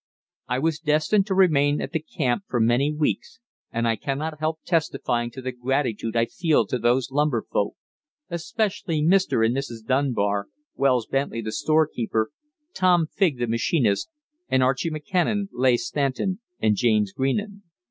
I was destined to remain at the camp for many weeks, and I cannot help testifying to the gratitude I feel to those lumber folk, especially Mr. and Mrs. Dunbar, Wells Bently, the storekeeper; Tom Fig, the machinist, and Archie McKennan, Leigh Stanton and James Greenan.